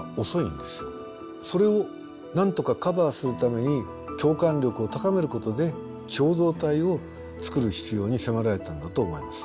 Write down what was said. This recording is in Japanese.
それをなんとかカバーするために共感力を高めることで共同体を作る必要に迫られたんだと思います。